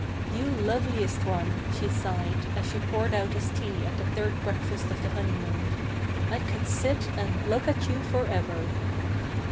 "You loveliest one!" she sighed, as she poured out his tea at the third breakfast of the honeymoon. "I could sit and look at you for ever."